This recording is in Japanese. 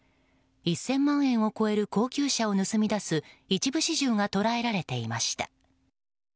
１０００万円を超える高級車を盗み出す一部始終が捉えられていました。